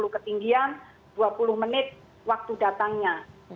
dua puluh ketinggian dua puluh menit waktu datangnya